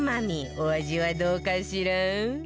お味はどうかしら？